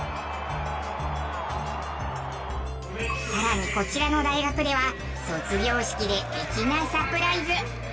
さらにこちらの大学では卒業式で粋なサプライズ！